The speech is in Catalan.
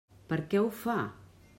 Per què ho fa?